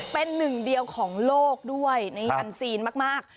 เป็นหนึ่งเดียวของโลกด้วยในอันซีนมาก